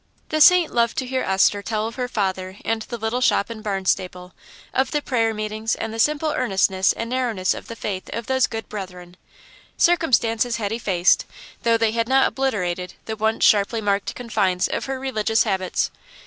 The Saint loved to hear Esther tell of her father and the little shop in Barnstaple, of the prayer meetings and the simple earnestness and narrowness of the faith of those good Brethren. Circumstances had effaced, though they had not obliterated, the once sharply marked confines of her religious habits.